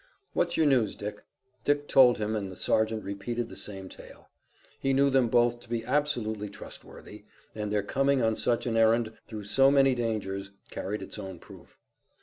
What's your news, Dick?" Dick told him and the sergeant repeated the same tale. He knew them both to be absolutely trustworthy, and their coming on such an errand through so many dangers carried its own proof.